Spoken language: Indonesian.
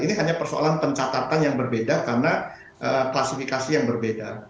ini hanya persoalan pencatatan yang berbeda karena klasifikasi yang berbeda